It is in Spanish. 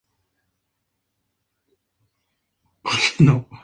Se mejora la corrección ortográfica en varios idiomas.